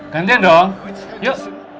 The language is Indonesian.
gantian dong yuk